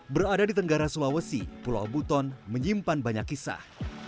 berada di tenggara sulawesi pulau buton menyimpan banyak kisah